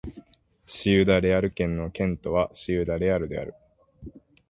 シウダ・レアル県の県都はシウダ・レアルである